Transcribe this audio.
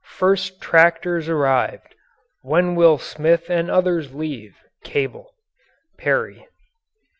First tractors arrived, when will Smith and others leave? Cable. PERRY.